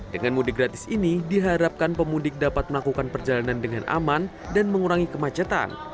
dengan mudik gratis ini diharapkan pemudik dapat melakukan perjalanan dengan aman dan mengurangi kemacetan